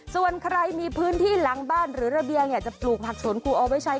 ส่วนใครมีพื้นที่หลังบ้านหรือระเบียงอยากจะปลูกผักสวนครูเอาไว้ใช้